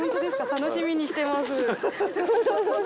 楽しみにしてます